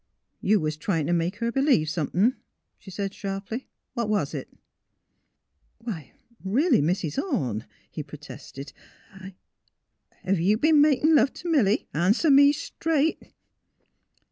" You was try in' t' make her b'lieve some thin V' she said, sharply. " What was it? "Why — really, Mrs. Orne," he protested. i I T J >" Hev' you b'en makin' love t' Milly? Answer me, straight